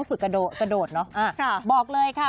ต้องฝึกกระโดดล่ะขอบบอกเลยค่ะ